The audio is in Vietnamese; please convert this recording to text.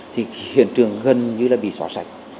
thì hiện trường gần như là bị xóa sạch